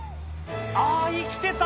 あぁ生きてた！